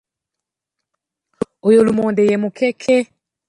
Oyo lumonde ye mukeke.